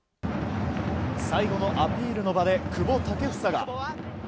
最後のアピールの場で久保建英が。